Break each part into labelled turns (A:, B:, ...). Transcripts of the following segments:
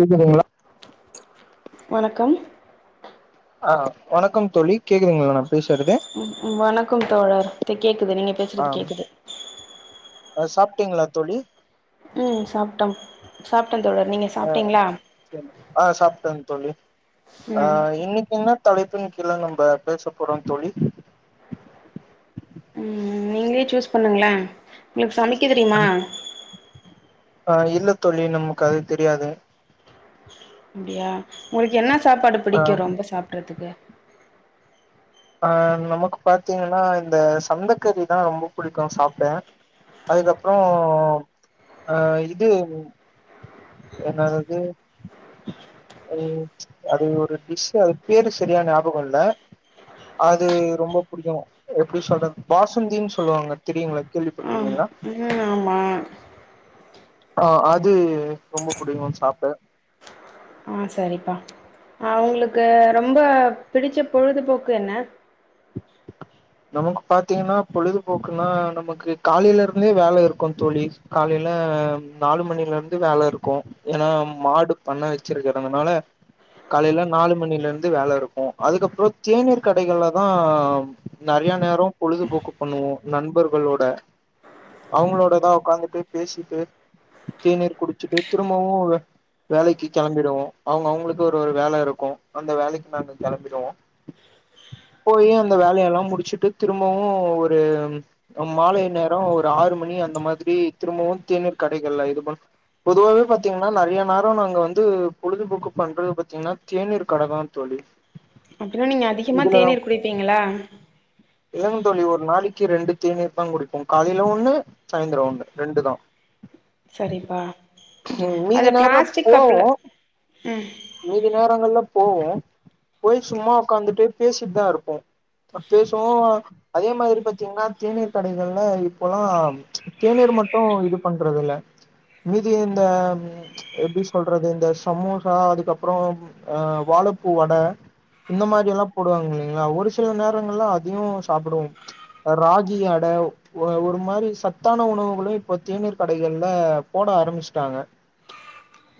A: கேக்குதுங்களா
B: வணக்கம்
A: ஆ வணக்கம் தோழி கேக்குதுங்களா நான் பேசுறது
B: ம் வணக்கம் தோழர் இப்ப கேக்குது நீங்க பேசுறது
A: அம்
B: கேக்குது
A: ஆ சாப்டீங்ளா தோழி
B: ம் சாப்டோம் சாப்டன் தோழர் நீங்க
A: ஆ
B: சாப்ட்டீங்களா
A: சேரி ஆ சாப்டேன் தோழி ஆ
B: ம்
A: இன்னைக்கு என்ன தலைப்பின் கீழ நம்ப பேச போறோம் தோழி
B: ம் நீங்களே சூஸ் பண்ணுங்களன் உங்களுக்கு சமைக்க தெரியுமா
A: ஆ இல்ல தோழி நமக்கு அது தெரியாது
B: அப்டியா உங்களுக்கு என்ன சாப்பாடு
A: ஆ
B: புடிக்கும் ரொம்ப சாப்டறதுக்கு
A: அ நமக்கு பாத்தீங்கன்னா இந்த சந்தக்கறிதான் ரொம்ப புடிக்கும் சாப்ட அதுக்கப்றோம் அ இது என்னதது ம் அது ஒரு டிஷ்சு அது பேரு செரியா ஞாபகோம் இல்ல அது ரொம்ப புடிக்கும் எப்டி சொல்றது பாசுந்தின்னு சொல்லுவாங்க தெரியுங்களா
B: ஆ
A: கேள்விப்பட்ருக்கீங்களா
B: ம் ஆமா
A: ஆ அது ரொம்ப புடிக்கும் சாப்ட
B: ஆ செரிப்பா ஆ உங்ளுக்கு ரொம்ப பிடிச்ச பொழுதுபோக்கு என்ன
A: நமக்கு பாத்திங்ன்னா பொழுதுபோக்குன்னா நமக்கு காலைல இருந்தே வேல இருக்கும் தோழி காலையில நாலு மணில இருந்து வேல இருக்கும் ஏன்னா மாடு பண்ண வச்சிருக்கறதனால காலைல நாலு மணில இருந்து வேல இருக்கும் அதுக்கப்றோம் தேநீர் கடைகள்லதான் நறைய நேரோம் பொழுதுபோக்கு பண்ணுவோம் நண்பர்களோட அவுங்களோடதான் ஒக்காந்துட்டு பேசிட்டு தேநீர் குடிச்சுட்டு திரும்பவும் வேலைக்கு கெளம்பிடுவோம் அவுங்க அவுங்களுக்கு ஒரு ஒரு வேல இருக்கும் அந்த வேலைக்கு நாங்க கெளம்பிடுவோம் போயி அந்த வேலயெல்லாம் முடிச்சுட்டு திரும்பவும் ஒரு மாலை நேரோம் ஒரு ஆறு மணி அந்த மாதிரி திரும்பவும் தேநீர் கடைகள்ல இது பன் பொதுவாவே பாத்தீங்ன்னா நெறைய நேர நாங்க வந்து பொழுதுபோக்கு பண்றது பாத்தீங்கன்னா தேநீர் கடதா தோழி
B: அப்டினா நீங்க அதிகமா தேநீர் குடிப்பீங்ளா
A: இல்லங் தோழி ஒரு நாளைக்கு ரெண்டு தேநீர் தா குடிப்போ காலைல ஒன்னு சாய்ந்தர ஒன்னு ரெண்டு தா
B: சரிப்பா
A: மீதி
B: அத
A: நேரல
B: பிளாஸ்டிக்
A: போவோ
B: கப்ல ம்
A: மீதி நேரங்கள்ல போவோ போய் சும்மா ஒக்காந்துட்டு பேசிட்டு தா இருப்போ பேசுவோ அதே மாரி பாத்தீங்கன்னா தேநீர் கடைகள்ல இப்பெல்லா தேநீர் மட்டு இது பண்றது இல்ல மிதிய இந்த எப்டி சொல்றது இந்த சமோசா அதுக்கப்றோ அ வாழப்பூ வட இந்த மாரி எல்லா போடுவாங்க இல்லைங்களா ஒரு சில நேரங்கள்லா அதையு சாப்புடுவோ ராகி அட ஒ ஒரு மாரி சத்தான உணவுகளு இப்ப தேநீர் கடைகள போட ஆரம்பிச்சுட்டாங்க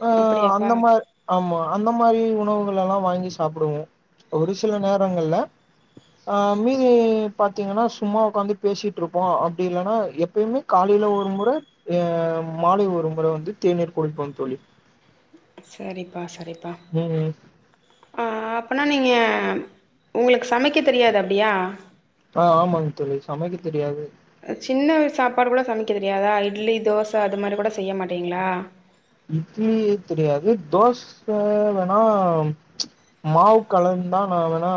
A: அ
B: அப்டியாப்பா
A: அந்த மார் ஆமா அந்த மாரி உணவுகளலா வாங்கி சாப்புடுவோ ஒரு சில நேரங்கள்ல அ மீதி பாத்தீங்கன்னா சும்மா ஒக்காந்து பேசிட்ருப்போ அப்டி இல்லன்னா எப்போமே காலைல ஒரு முற அ மாலைல ஒரு முற வந்து தேநீர் குடிப்போ தோழி
B: சரிப்பா சரிப்பா
A: ம்
B: ஆ அப்பன்னா நீங்க ஒங்ளுக்கு சமைக்க தெரியாது அப்டியா
A: ஆ ஆமாங் தோழி சமைக்க தெரியாது
B: அ சின்ன சாப்பாடு கூட சமைக்க தெரியாதா இட்லி தோச அது மாரி கூட செய்ய மாட்டிங்களா
A: இட்லி தெரியாது தோஸ்ச வேணா மாவ் கலந்துதா நா வேணா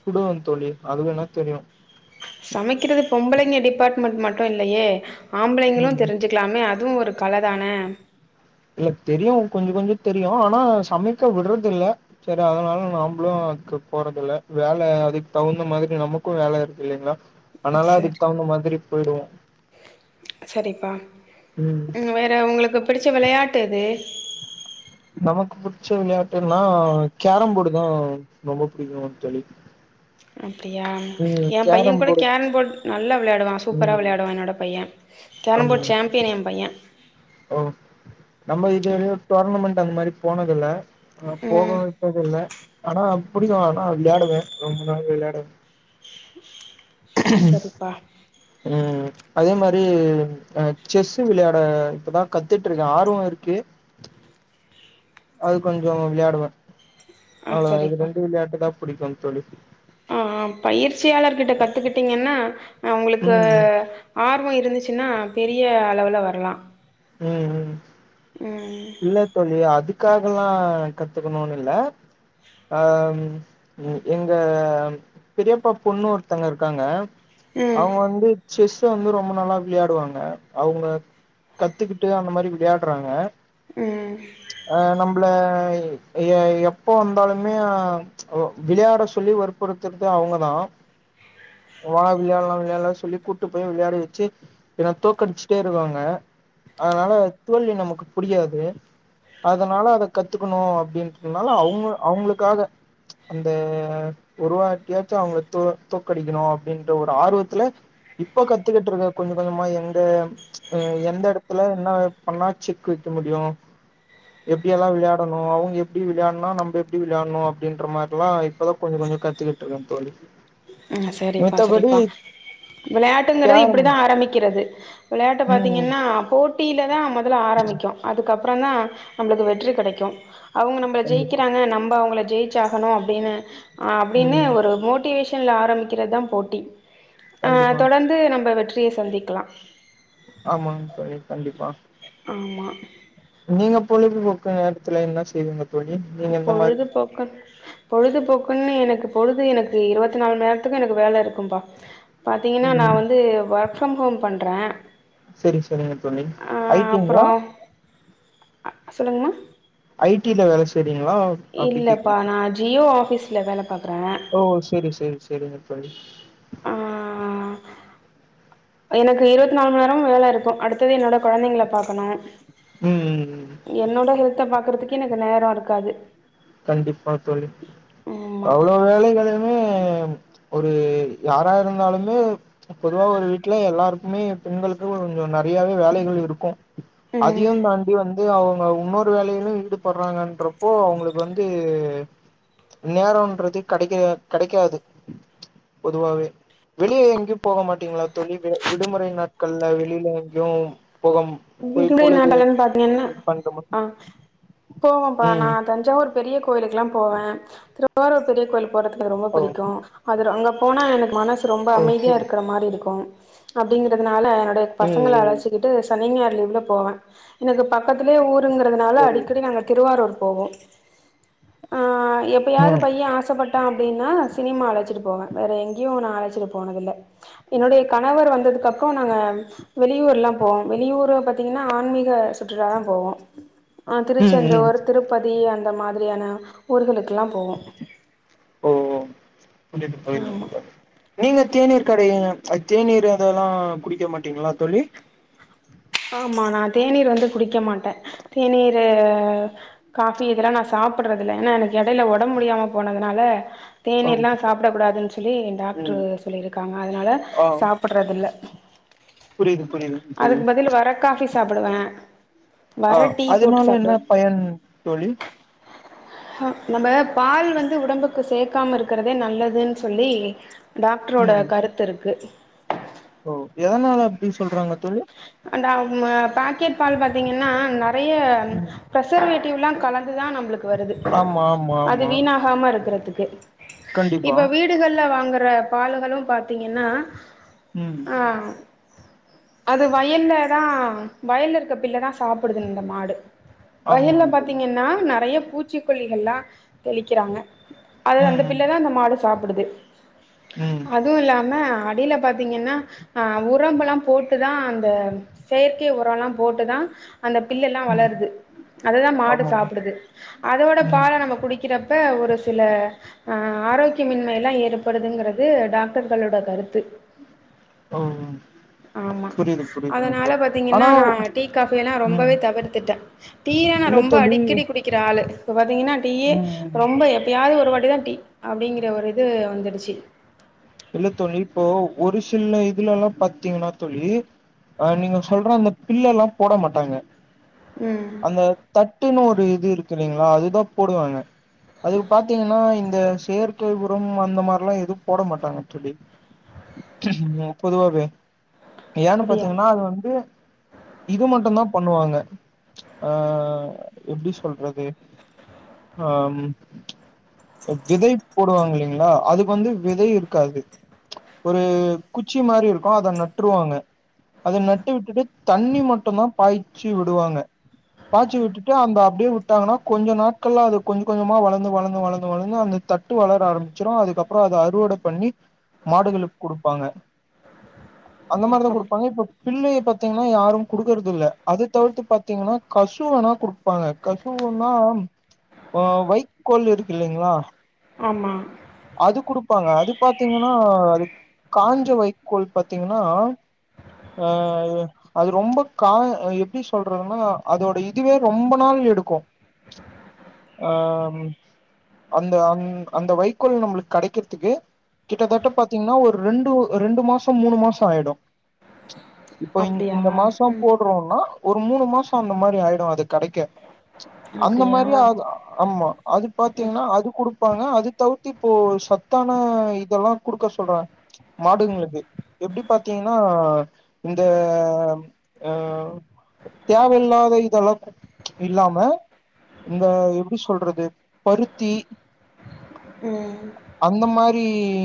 A: சுடுவே தோழி அது வேணா தெரியு
B: சமைக்கிறது பொம்பளைங்க டிபார்ட்மெண்ட் மட்டு இல்லயே ஆம்பளைங்களு
A: ம்
B: தெரிஞ்சிக் ளாமே அதுவு கல தானே
A: இல்ல தெரியு கொஞ்ச கொஞ்ச தெரியு ஆனா சமைக்க விட்றதில்ல சரி அதனால நாம்ளு அதுக்கு போறத இல்ல வேல அதுக்கு தகுந்த மாரி நமக்கு வேல இருக்கு இல்லைங்ளா அன்னால அதுக்கு
B: சரி
A: தகுந்த மாரி பொயிடுவோ
B: சரிப்பா ம் வேற ஒங்ளுக்கு பிடிச்ச வெளயாட்டு எது
A: நமக்கு புடிச்ச வெளயாட்டுனா கேரம் போர்டு தா ரொம்ப புடிக்கு தோழி
B: அப்டியா
A: ம்
B: ஏ பைய
A: கேரம்
B: கூட
A: போர்டு
B: கேரம்போர்ட் நல்லா வெளாடுவா சூப்ரா
A: ம்
B: வெளையாடுவா என்னோட பைய
A: ஆமா
B: கேரம்போர்ட் சேம்பியன் ஏ பைய
A: ஓ நம்ம இது டோர்னமெண்ட் அந்த மாரி போனது இல்ல அங்க போக
B: ம்
A: விட்டது இல்ல ஆனா புடிக்கு ஆனா விளையாடுவே ரொம்ப விளையாடுவே
B: ம் சரிப்பா
A: ம் அதே மாரி அ செஸு வெளையாட இப்பதா கத்துட்ருக்கே ஆர்வ இருக்கு அது கொஞ்ச விளையாடுவே
B: ஆ
A: அவ்ள தா இது
B: சரிப்பா
A: ரெண்டு விளையாட்டுதா புடிக்கு தோழி
B: ஆ பயிற்சியாளர்கிட்ட கத்துக்கிட்டீங்கன்னா
A: ம்
B: ஒங்ளுக்கு
A: ம்
B: ஆர்வ இருந்துச்சுனா பெரிய அளவ்ல வர்லா
A: ம் ம்
B: ம்
A: இல்ல தோழி அதுக்காகலா கத்துக்கணுன் இல்ல அ ம் எங்க பெரியப்பா பொண்ணு ஒருதங்க இருக்காங்க
B: ம்
A: அவங்க வந்து செஸ்ஸு வந்து ரொம்ப நாளா விளையாடுவாங்க அவுங்க கத்துக்கிட்டு அந்த மாரி விளையாடுறாங்க
B: ம்
A: அ நம்பள எ எப்ப வந்தாலுமே ஒ விளையாட சொல்லி வற்ப்புறத்துறது அவுங்கதா வா விளையாடலா விளையால சொல்லி கூட்டு போய் விளையாடி வச்சு என்ன தோக்கடிச்சுட்டே இருகாங்க அதனால தோல்வி நமக்கு புடிகாது அதனால அத கத்துக்கணு அப்டின்றதுனால அவுங்க அவுங்களுக்காக அந்த ஒரு வாட்டியாச்சு அவுங்க தோ தோக்கடிக்கணு அப்டின்ற ஒரு ஆர்வத்துல இப்ப கத்துக்கிட்ருக்க கொஞ்ச கொஞ்சமா எங்க ம் எந்த எடத்துல என்ன பண்ணா செக் வைக்க முடியு எப்டியெல்லா விளையாடணு அவுங்க எப்டி விளையாட்னா நம்ப எப்டி விளையாணு அப்டின்ற மாரிலா இப்பதா கொஞ்ச கொஞ்ச கத்துக்கி ட்ருக்கே தோழி
B: ம் சரிப்பா
A: மித்தபடி
B: சரிப்பா விளையாட்டுங்குறது
A: கேரம்
B: இப்டிதா ஆரம்பிக்கிறது விளையாட்டு
A: ம்
B: பாத்தீங்கன்னா போட் டில தா மொதல்ல ஆரம்பிக்கு அதுக்கப்புறோ தா நம்மளுக்கு வெற்றி கெடைக்கு அவுங்க நம்பள
A: கண்டிப்பா
B: ஜெயிக்கிறாங்க நம்ப அவுங்கள ஜெயிச்சாகணு அப்டின் அப்டின்னு
A: ம்
B: ஒரு மோட்டிவேஷன் ல ஆரம்பிக்கிறது தா போட்டி அ
A: கண்டிப்பா
B: தொடர்ந்து நம்ப வெற்றிய சந்திக்கலா
A: ஆமாங் தோழி கண்டிப்பா
B: ஆமா
A: நீங்க பொழுது போக்கு நேரத்துல என்ன செய்விங்க தோழி நீங்க எந்த மாரி
B: பொழுதுபோக்க பொழுதுபோக்குன் எனக்கு பொழுது எனக்கு இருவத்திநாலு மண் நேரத்துக்கு எனக்கு வேல இருக்கும்பா பாத்தீங்கன்னா நா
A: ம்
B: வந்து ஒர்க் ஃப்ரம் ஹோம் பண்ற
A: சரி சரிங்க தோழி ஐ டி ங்ளா
B: ஆ சொல்லுங்ம்மா
A: ஐ டி ல வேல செய்றிங்ளா
B: இல்லப்பா நா ஜியோ ஆஃபீஸ்ல வேல பாக்ற
A: ஓ செரி செரி செ செரிங்க தோழி
B: ஆ எனக்கு இருவத்நாலு மண் நேரமு வேல இருக்கு அடுத்தது என்னோட கொழந்தைங்கள பாக்கணு
A: ம் ம் ம்
B: என்னோட ஹெல்த்த பாக்குறதுக்கே எனக்கு நேரோ இருக்காது
A: கண்டிப்பா தோழி
B: ஆமா
A: அவ்ளோ வேலைகளையுமே ஒரு யாரா இருந்தாலுமே பொதுவா ஒரு வீட்ல எல்லாருக்குமே பெண்களுக்கு கொஞ்சோ நெறையாவே வேலைகள் இருக்கு அதையு
B: ம்
A: தாண்டி வந்து அவுங்க இன்னொரு வேலையிலு ஈடுபட்றாங்கன்றப்போ அவுங்களு வந்து நேரொன்றதே கெடைக்க கெடைக்காது பொதுவாவே வெளிய எங்கயு போக மாட்டீங்ளா தோழி விடு விடுமுறை நாட்கள்ல வெளிலே எங்கயு போக
B: விடுமுறை நாட்கள்ன்னு பாத்தீங்கனா ஆ போவம்பா நா
A: ம்
B: தஞ்சாவூர் பெரிய கோயிலுக்குல்லா போவே திருவாரூர் பெரிய கோயில்க்கு போறதுக்கு எனக்கு ரொம்ப
A: ஓ
B: புடிக்கு அதுர அங்கே போனா எனக்கு மனசு ரொம்ப
A: ஓ
B: அமைதியா
A: சரி
B: இருக்குற மாரி இருக்கு அப்டிங்றதுனால என்னோடைய
A: ம்
B: பசங்கள
A: ம்
B: அழச்சிக்கிட்டு சனி ஞாயிறு லீவ்ல போவ எனக்கு பக்கத்லே ஊருங்குறதுனால
A: சரி
B: அடிக்கடி நாங்க திருவாரூர் போவோ ஆ
A: ஆ
B: எப்பயாது பைய ஆச பட் டா அப்டின்னா சினிமா அழச்சிட்டு போவே வேற எங்கயு நா அழச்சிட்டு போனதில்ல என்னுடைய கணவர் வந்ததுக்கு அப்றோ நாங்க வெளியூர்லா போவோ வெளியூர பாத்தீங்ன்னா ஆன்மீக சுற்றுலா தா போவோ ஆ
A: ம் ம்
B: திருச்செந்தூர் திருப் பதி அந்த மாதுரியான ஊர்களுக்குலா போவோ
A: ஓ கூட்டிட்டு போயினு
B: ஆமா
A: இப்ப நீங்க தேநீர் கடைல தேநீர் அதல்லா குடிக்க மாட்டீங்ளா தோழி
B: ஆமா நா தேநீர் வந்து குடிக்க மாட்ட தேநீரு காஃபி இதெல்லா நா சாப்புட்றது இல்ல ஏன்னா எடைல எனக்கு ஒடம்ப் முடியாம போனதுனால
A: ம்
B: தேநீர்லா சாப்டக் கூடாதுன் சொல்லி ஏ டாக்ட்ரு
A: ம்
B: சொல்லிருக்காங்க அதனால சாப்புட்றதுல்ல
A: புரிய்து புரிய்து தோழி
B: இல் வர காஃபி சாப்புடுவ
A: அ அதுனால என்ன பயன் தோழி
B: நம்ம பால் வந்து உடம்புக்கு சேக்காம இருக்குறதே நல்லதுன் சொல்லி டாக்ட்ரோட கருத்துருக்கு
A: ஒ எதனால அப்டி சொல்றாங்க தோழி
B: அண்ட் அவ் மு பாக்கெட் பால் பாத்தீங்கன்னா நறைய
A: ம்
B: பிரசர்வேட்டிவ்லா கலந்துதா நம்ப்ளுக் வருது
A: ஆமா ஆமா
B: அது
A: ஆமா
B: வீணா ஹாம இருக்குறதுக்கு
A: கண்டிப்பா
B: இப்ப வீடுகள்ல வாங்குற பாலுஹலு பாத்தீங்கனா
A: ம்
B: அ அது வயல்லே தா வயல்ல இருக்குற பில்ல தா சாப்புடுது இந்த மாடு
A: ஆமா
B: வயல்ல
A: தோழி
B: பாத்தீங்கன்னா நறைய பூச்சிக்கொல்லிகள்ல்லா தெளிக்கிறாங்க அதது அந்த
A: ம்
B: பில்ல தா அந்த மாடு சாப்புடுது
A: ம்
B: அதுவு இல்லாம அடில பாத் திங்கனா அ உரம்பல்லா போட்டுதா அந்த செயற்கை உரல்லா போட்டுதா அந்த பில் எல்லா
A: ம்
B: வளருது அததா மாடு
A: ஆமா
B: சாப்டுது அதோட
A: ம்
B: பால நம்ம குடிக் கிறப்ப ஒரு சில அ ஆரோக்கியமின்மைல்லா ஏற்படுதுங்குறது டாக்டர்களோட கருத்து
A: ஒ
B: ஆமா அதனால பாத்தீங்கன்னா
A: ஆனா
B: நா டீ காபி எல்லா
A: ம்
B: ரொம்பவே தவிர்த்துட்ட டீ யா நா
A: இல்ல
B: ரொம்ப
A: தோழி
B: அடிக்கடி குடிக்கிற ஆளு இப்ப பாத்தீங்கன்னா டீ யே
A: ம்
B: ரொம்ப எப் ப்யாது ஒரு வாட்டி தா டீ அப்டிங்கிற ஒரு இது வந்துடுச்சு
A: இல்ல தோழி இப்போ ஒரு சில இதுலல்லா பாத்தீங்ன்னா தோழி அ நீங்க சொல்ற அந்த பில்ல எல்லா போட மாட்டாங்க
B: ம்
A: அந்த தட்டுனு ஒரு இது இருக்கு இல்லைங்ளா அதுதா போடுவாங்க அதுக் பாத்தீங்கனா இந்த செயற்கை உரம் அந்த மார்ல்லா எது போட மாட் டாங்க துலி பொதுவாவே ஏனு
B: அப்டியா
A: பாத்தீங்கன்னா அது வந்து இது மட்டுந்தா பண்ணுவாங்க ஆ எப்டி சொல்றது அ ம் விதை போடுவாங் இல்லிங்ளா அதுக்கு வந்து விதை இருக் காது ஒரு குச்சி மாரி இருக்கு அத நட்ருவாங்க அத நட்டு விட்டுட்டு தண்ணி மட்டுந்தா பாய்ச்சி விடுவாங்க பாச்சு விட்டு அந்த அப்டியே விட்டாங்கனா கொஞ்ச நாட்கள்ல அது கொஞ் கொஞ்சமா வளந்து வளந்து வளந்து வளந்து அந்த தட் ட்டு வளர ஆரமிச்சிரு அதுக்கு அப்புற அது அறுவட பண்ணி மாடுகளுக் குடுப்பாங்க அந்த மாரி தா
B: அப்
A: குடுப்பாங்க இப்ப பில்லயே பாத்தீங்னா யாரு குடுக்குறதுல்ல அது தவிர்த்து பாத்தீங்கனா கசு வேனா குடுக் ப்பாங்க கசூல்ன்னா இப்போ வைக்கோல் இருக்கு இல்லீங்களா
B: ஆமா
A: அது குடுப்பாங்க அது பாத்தீங்கன்னா அது காஞ்ச வைக்கோல் பாத்தீங்கன்னா ஆ அது ரொம்ப கா எப்டி சொல்றதுன்னா அதோட இதுவே ரொம்ப நாள் எடுக்கோ அ அந்த அந் அந்த வைக்கோல் நம்புளுக்கு கடைக்கிறதுக்கு கிட்டத்தட்ட பாத்தீங்கன்னா ஒரு ரெண்டு ரெண்டு மாசோ மூணு மாசோ ஆயிடோ இப்போ இந்
B: அப்டியா
A: இந்த மாசோ
B: ம்
A: போட்றோம்னா ஒரு மூணு மாசோ அந்த மாரி ஆயிடோ அது கடைக்க அந்த
B: அப்டியா
A: மாரி ஆ ஆமா அது பாத்தீங்கன்னா அது குடுப்பாங்க அது தவுத்தி இப்போ சத்தான இதெல்லா குடுக்க சொல்றாங்க மாடுங்குளுக்கு எப்டி பாத்தீங்கன்னா இந்த அ தேவையில்லாத இதெல்லா இல்லாம இந்த எப்டி சொல்றது பருத்தி
B: ம்
A: அந்த மாரி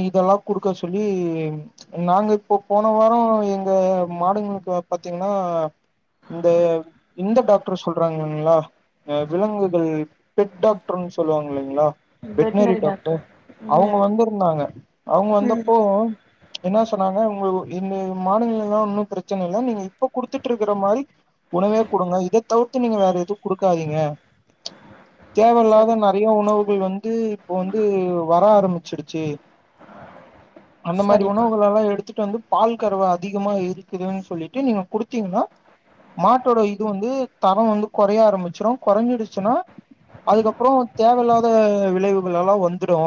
A: இதெல்லா குடுக்க சொல்லி நாங்க இப்போ போன வாரோ எங்க மாடுங்குளுக்கு பாத்தீங்கன்னா இந்த இந்த டாக்டர் சொல்றாங்கலீங்களா அ விலங்குகள் பெட் டாக்டர்ன்னு சொல்லுவாங்க இல்லிங்களா வெட்டனரி டாக்டர் அவுங்க
B: ம்
A: வந்துருந்தாங்க அவுங்க
B: ம்
A: வந்தப்போ என்ன சொன்னாங்க உங்க இந்த மாடுங்கெல்லா ஒன்னு பிரச்சன இல்ல நீங்க இப்ப குடுத்துட்ருக்குற மாரி உணவே குடுங்க இத தவிர்த்து நீங்க வேற எதுவு குடுக்காதீங்க தேவயில்லாத
B: சரி
A: நறைய உணவுகள் வந்து இப்போ வந்து வர ஆரம்பிச்சுடுச்சி அந்த மாரி
B: சரிப்பா
A: உணவுகள் எல்லா எடுத்துட்டு வந்து பால் கரவ அதிகமா இருக்குதுன்னு சொல்லிட்டு நீங்க குடுத்தீங்கன்னா மாட்டோட இது வந்து தரோ வந்து கொறய ஆரம்பிச்சிடோ கொறஞ்சிடுச்சீனா அதுக்கப்புறோ தேவயில்லாத விளைவுள் எல்லா வந்துடோ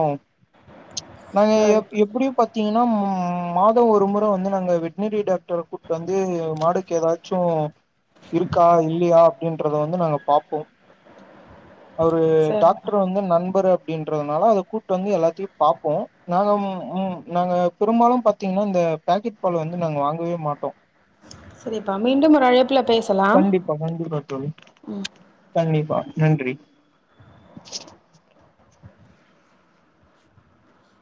A: நாங்க எப்
B: சரிப்பா
A: எப்புடி பாத்தீங்கன்னா ம் மாதோ ஒரு முற வந்து நாங்க வெட்னரி டாக்டர் கூட்டு வந்து மாடுக்கு ஏதாச் சோ இருக்கா இல்லியா அப்டீன்றத வந்து நாங்க பாப்போ அவரு
B: சரிப்பா
A: டாக்டுரு வந்து நண்பரு அப்டீன்றதுனால அத கூப்ட்டு வந்து எல்லாத்தையு பாப்போ நாங்க ம் ம் நாங்க பெரும்பாலு பாத்தீங்கன்னா இந்த பாக்கெட் பால் வந்து நாங்க வாங்கவே மாட்டோ
B: செரிப்பா மீண்டும் ஒரு அழைப்புல பேசலாம்
A: கண்டிப்பா கண்டிப்பா தோழி கண்டிப்பா நன்றி